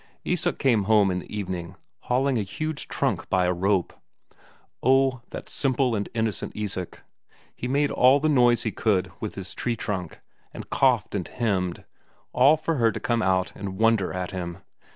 Isak came home in the evening, hauling a huge trunk by a rope. Oh, that simple and innocent Isak, he made all the noise he could with his tree trunk, and coughed and hemmed, all for her to come out and wonder at him.